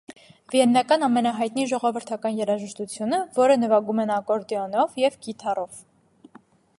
Վիեննական ամենահայտնի ժողովրդական երաժշտությունը, որը նվագում են ակորդեոնով և կիթառով։